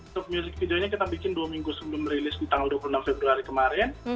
untuk music videonya kita bikin dua minggu sebelum rilis di tanggal dua puluh enam februari kemarin